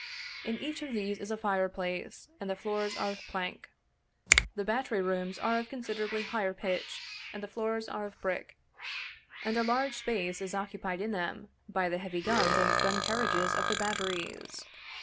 In each of these is a fire place, and the floors are of plank. The battery rooms are of considerably higher pitch, and the floors are of brick, and a large space is occupied in them by the heavy guns and gun carriages of the batteries.